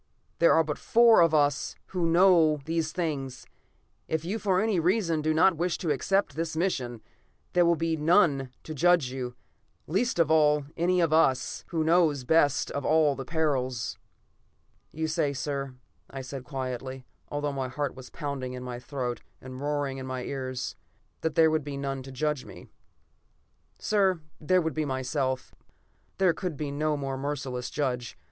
There are but four of us who know these things. If you for any reason do not wish to accept this mission, there will be none to judge you, least of all, any one of us, who know best of all the perils." "You say, sir," I said quietly, although my heart was pounding in my throat, and roaring in my ears, "that there would be none to judge me. "Sir, there would be myself. There could be no more merciless judge.